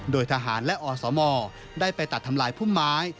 โดยทหารและอสมได้ไปตัดทำลายพุ่มไม้